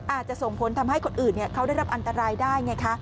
อาจจะส่งผลทำให้คนอื่นเขาได้รับอันตรายได้ไงคะ